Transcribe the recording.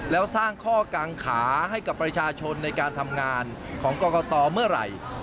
แล้วสร้างข้อกางขาให้กับประชาชนในการทำงานของกรกตเมื่อไหร่